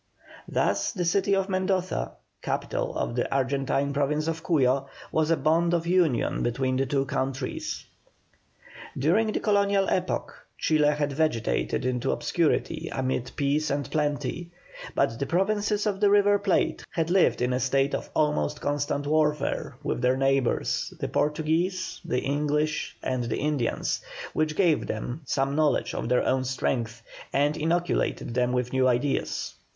Thus the city of Mendoza, capital of the Argentine Province of Cuyo, was a bond of union between the two countries. During the colonial epoch Chile had vegetated in obscurity amid peace and plenty, but the Provinces of the River Plate had lived in a state of almost constant warfare with their neighbours the Portuguese, with the English, and with the Indians, which gave them some knowledge of their own strength, and inoculated them with new ideas.